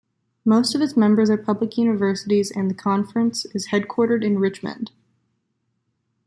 Most of its members are public universities, and the conference is headquartered in Richmond.